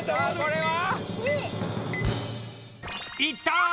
いったー！